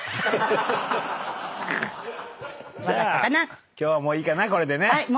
じゃあ今日はもういいかなこれでね。